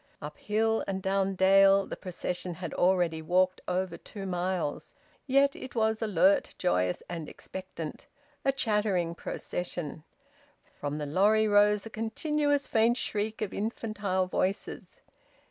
Up hill and down dale the procession had already walked over two miles. Yet it was alert, joyous, and expectant: a chattering procession. From the lorry rose a continuous faint shriek of infantile voices.